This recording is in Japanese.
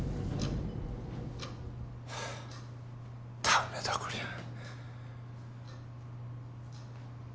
駄目だこりゃ。